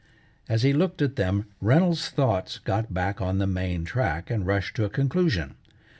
As be looked at them Reynolds's thoughts got back on the main track and rushed to a conclusion.